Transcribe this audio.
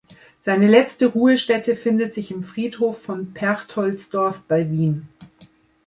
Seine letzte Ruhestätte findet sich im Friedhof von Perchtoldsdorf bei Wien.